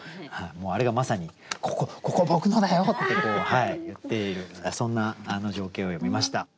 もうあれがまさに「ここここ僕のだよ！」って言っているそんな情景を詠みました。